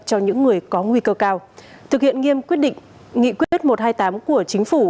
cho những người có nguy cơ cao thực hiện nghiêm quyết định nghị quyết một trăm hai mươi tám của chính phủ